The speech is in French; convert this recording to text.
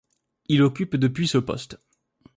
Il occupe depuis ce poste.